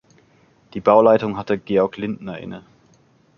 Die Bauleitung hatte Georg Lindner inne.